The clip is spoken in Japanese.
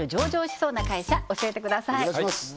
お願いします